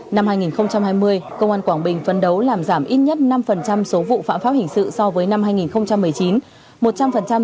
năm hai nghìn hai mươi công an quảng bình phân đấu làm giảm ít nhất năm số vụ phạm pháp hình sự so với năm hai nghìn một mươi chín